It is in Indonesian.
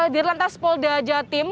di lantas polda jatim